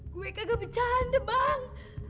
gue kagak bercanda bang